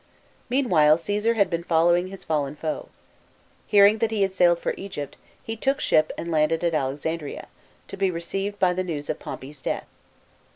Meanwhile Caesar had been following his fallen foe. Hearing that he had sailed for Egypt, he took ship and landed at Alexandria, to be received by the news of Pompey's death.